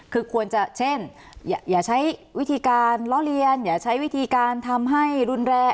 คือควรจะเช่นอย่าใช้วิธีการล้อเลียนอย่าใช้วิธีการทำให้รุนแรง